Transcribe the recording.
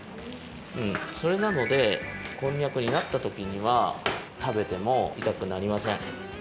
それなのでこんにゃくになったときにはたべてもいたくなりません。